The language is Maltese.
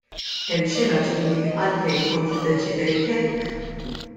Hemm xi raġuni għalfejn kont iddeċidejt hekk?